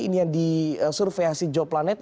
ini yang disurveiasi joplanet